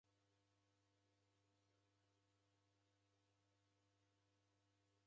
Mroghuo w'aw'ayo kavika nyumbeni.